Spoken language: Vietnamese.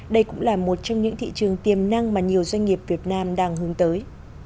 đây cũng là một trong những thị trường tiềm năng mà nhiều doanh nghiệp việt nam đang hướng tới